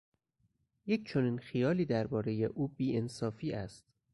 یک چنین خیالی در بارهٔ او بی انصافی است.